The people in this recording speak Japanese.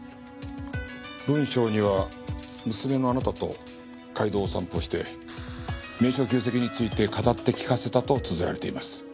文章には娘のあなたと街道を散歩して名所旧跡について語って聞かせたとつづられています。